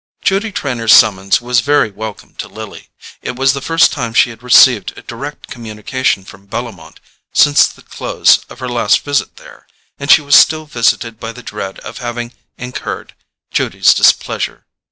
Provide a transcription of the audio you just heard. Judy Trenor's summons was very welcome to Lily. It was the first time she had received a direct communication from Bellomont since the close of her last visit there, and she was still visited by the dread of having incurred Judy's displeasure.